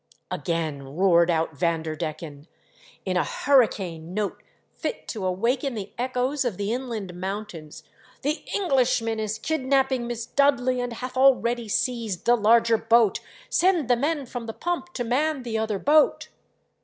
Again roared out Vanderdecken, in a hurricane note fit to awaken the echoes of the inland mountains, "The Englishman is kidnapping Miss Dudley, and hath already seized the larger boat. Send the men from the pump to man the other boat